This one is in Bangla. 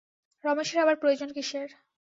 রমেশের আবার প্রয়োজন কিসের?